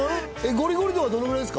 ゴリゴリ度はどのぐらいですか？